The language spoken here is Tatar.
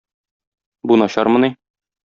Бу начармыни?